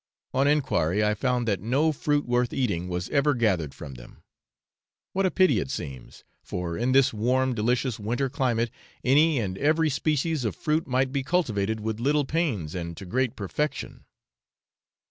On enquiry I found that no fruit worth eating was ever gathered from them. What a pity it seems! for in this warm delicious winter climate any and every species of fruit might be cultivated with little pains and to great perfection.